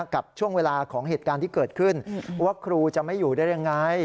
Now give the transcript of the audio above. กับช่วงเวลาของเหตุการณ์ที่เกิดขึ้นว่าครูจะไม่อยู่ได้ยังไง